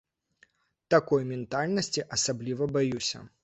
Такой ментальнасці асабліва баюся.